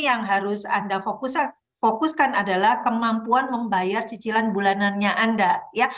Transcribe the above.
yang harus anda fokuskan adalah kemampuan membayar cicilan bulanannya anda ya